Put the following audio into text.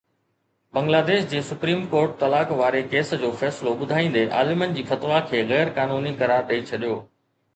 بنگلاديش جي supreme court طلاق واري ڪيس جو فيصلو ٻڌائيندي عالمن جي فتويٰ کي غير قانوني قرار ڏئي ڇڏيو